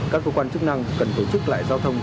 các cơ quan chức năng cần tổ chức lại giao thông